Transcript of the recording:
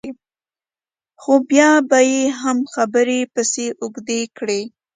خو بیا به یې هم خبره پسې اوږده کړه.